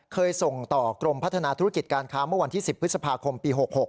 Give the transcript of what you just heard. ส่งต่อกรมพัฒนาธุรกิจการค้าเมื่อวันที่๑๐พฤษภาคมปี๖๖